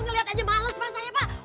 ngeliat aja males pas saya pak